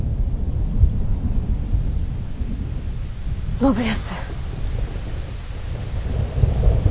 信康。